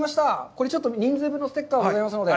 これ、ちょっと人数分のステッカーでございますので。